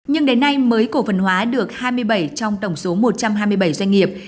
nhưng đến nay mới cổ phần hóa được hai mươi bảy trong tổng số một trăm hai mươi bảy doanh nghiệp